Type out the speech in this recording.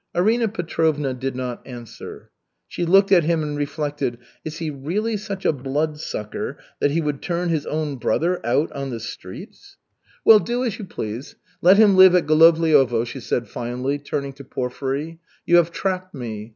Arina Petrovna did not answer. She looked at him and reflected: "Is he really such a Bloodsucker that he would turn his own brother out on the streets?" "Well, do as you please. Let him live at Golovliovo," she said finally, turning to Porfiry. "You have trapped me.